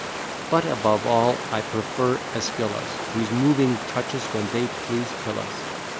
But, above all, I prefer Eschylus, Whose moving touches, when they please, kill us.